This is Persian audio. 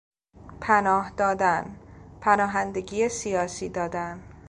پناه دادن، پناهندگی سیاسی دادن